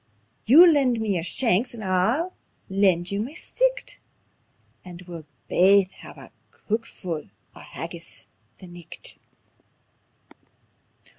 You lend me your shanks and I'll lend you ma sicht, And we'll baith hae a kyte fu' o' haggis the nicht."